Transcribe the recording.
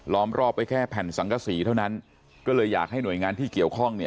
รอบไปแค่แผ่นสังกษีเท่านั้นก็เลยอยากให้หน่วยงานที่เกี่ยวข้อง